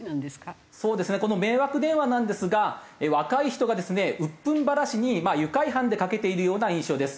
そうですねこの迷惑電話なんですが若い人がですね鬱憤晴らしに愉快犯でかけているような印象です。